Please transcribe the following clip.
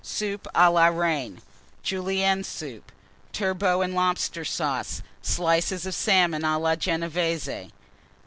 Soup à la Reine. Julienne Soup. Turbot and Lobster Sauce. Slices of Salmon a la Genévése.